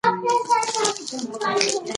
شعر د ژوند حقایق ښیي.